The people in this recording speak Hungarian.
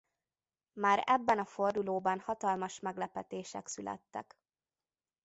Már ebben a fordulóban hatalmas meglepetések születtek.